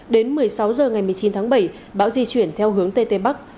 đến một mươi sáu h ngày một mươi chín tháng bảy bão di chuyển theo hướng tây tây bắc